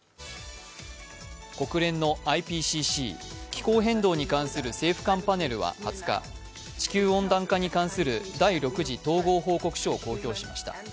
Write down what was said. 国連のＩＰＣＣ＝気候変動に関する政府間パネルは２０日、地球温暖化に関する第６次統合報告書を公表しました。